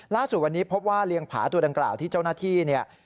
ล่าสุดวันนี้พบว่าเรียงผาตัวดังกล่าวที่เจ้านาธิ